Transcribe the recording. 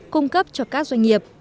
cung cấp cho các doanh nghiệp